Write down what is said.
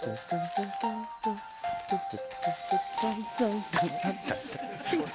「タタタータンタンタンタンタタタータンタンタンタン」